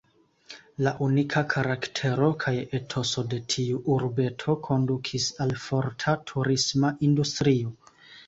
La unika karaktero kaj etoso de tiu urbeto kondukis al forta turisma industrio.